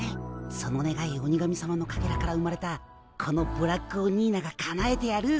そのねがい鬼神さまのかけらから生まれたこのブラックオニーナがかなえてやる。